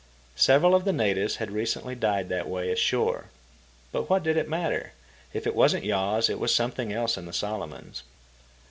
Several of the natives had recently died that way ashore. But what did it matter? If it wasn't yaws, it was something else in the Solomons.